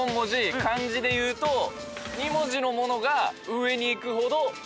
漢字でいうと２文字のものが上に行くほどってことよね？